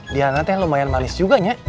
diana teh lumayan manis juga nek